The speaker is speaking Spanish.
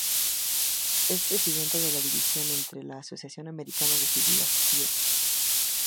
Es presidenta de la División Este de la Asociación Americana de Filosofía.